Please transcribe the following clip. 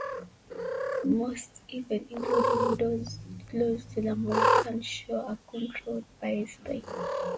Most, even including those close to the Moroccan shore, are controlled by Spain.